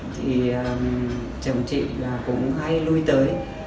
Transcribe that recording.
thì chồng chị cũng hay lui tới